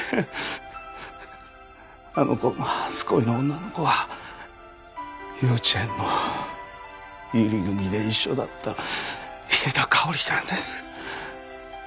あの子の初恋の女の子は幼稚園の百合組で一緒だった池田香ちゃんです。